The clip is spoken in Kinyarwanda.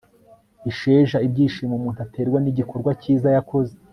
isheja ibyishimo umuntu aterwa n'igikorwa kiza yakoze